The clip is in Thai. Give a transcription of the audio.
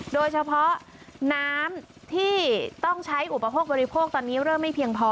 โดยเฉพาะน้ำที่ต้องใช้อุปโภคบริโภคตอนนี้เริ่มไม่เพียงพอ